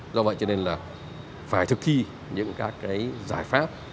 do vậy cho nên là phải thực thi những các cái giải pháp